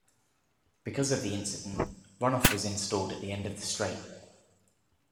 Because of the incident, runoff was installed at the end of the straight.